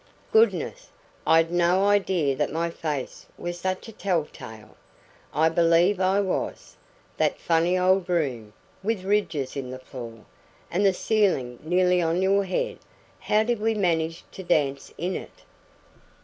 "Goodness! I'd no idea that my face was such a tell tale. I believe I was. That funny old room, with ridges in the floor, and the ceiling nearly on your head how DID we manage to dance in it?"